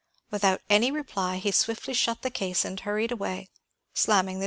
Without any reply he swiftly shut the case and hurried away, slamming the door after him.